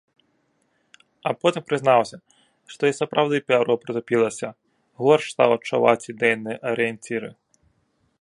А потым прызнаўся, што і сапраўды пяро прытупілася, горш стаў адчуваць ідэйныя арыенціры.